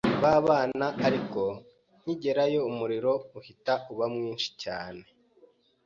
ba bana ariko nkigerayo umuriro uhita uba mwinshi cyane